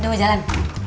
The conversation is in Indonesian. udah mau jalan